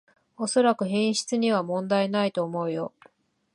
おそらく品質には問題ないと思うよ